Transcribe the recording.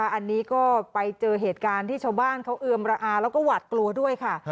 อันนี้ก็ไปเจอเหตุการณ์ที่ชาวบ้านเขาเอือมระอาแล้วก็หวาดกลัวด้วยค่ะ